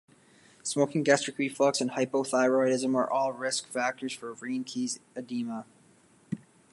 Smoking, gastric reflux, and hypothyroidism are all risk factors for Reinke's edema.